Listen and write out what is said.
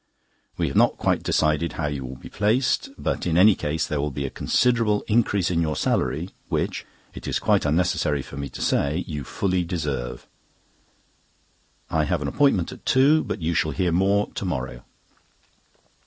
We have not quite decided how you will be placed; but in any case there will be a considerable increase in your salary, which, it is quite unnecessary for me to say, you fully deserve. I have an appointment at two; but you shall hear more to morrow."